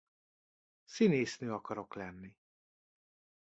Színésznő akarok lenni.